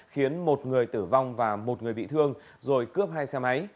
khiến một người tử vong và một người bị thương rồi cướp hai xe máy